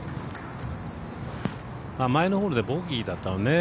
前のホールでボギーだったのね。